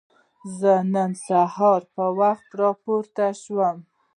زه نن سهار په وخت راپورته شوم.